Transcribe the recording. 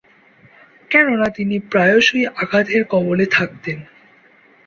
কেননা, তিনি প্রায়শঃই আঘাতের কবলে থাকতেন।